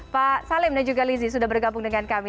pak salim dan juga lizy sudah bergabung dengan kami